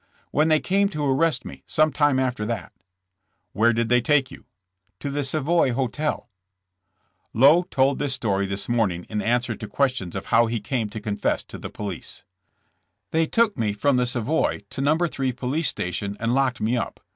''When they came to arrest me, some time after that/' "Where did they take youT' ''To the Savoy hotel/' Lowe told this story this morning in answer to questions of how he came to confess to the police : "They took me from the Savoy to No. 3 police station and locked me up.